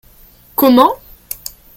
Comment ?